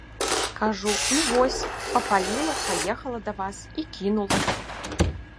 Кажу, ну, вось, папаліла, паехала да вас і кінула.